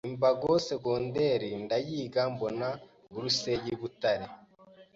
imbago secondaire ndayiga mbona burse y’I butare